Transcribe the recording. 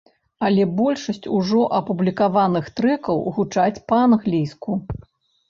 Але большасць ужо апублікаваных трэкаў гучаць па-англійску.